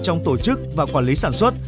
trong tổ chức và quản lý sản xuất